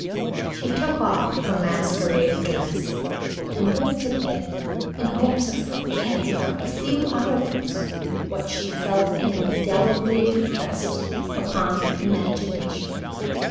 She took off her masquerade dress, and went to bed in hopes of forgetting, for a few hours, what she felt indelibly impressed upon her imagination.